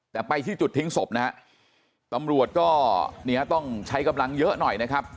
แต่ไปที่จุดทิ้งศพนะฮะตำรวจก็เนี่ยต้องใช้กำลังเยอะหน่อยนะครับ